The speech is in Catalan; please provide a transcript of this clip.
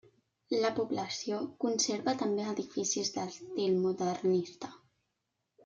La població conserva també edificis d'estil modernista.